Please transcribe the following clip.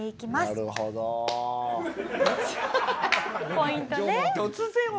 ポイントね。